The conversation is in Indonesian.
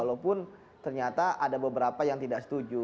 walaupun ternyata ada beberapa yang tidak setuju